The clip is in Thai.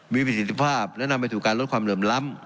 มีประสิทธิภาพและนำไปสู่การลดความเหลื่อมล้ำ